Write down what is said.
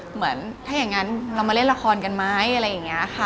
เหมือนถ้าอย่างนั้นเรามาเล่นละครกันไหมอะไรอย่างนี้ค่ะ